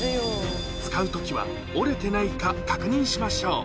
使うときは、折れてないか確認しましょう。